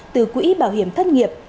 từ quỹ bảo hiểm thất nghiệp